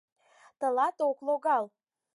Тылат ок логал!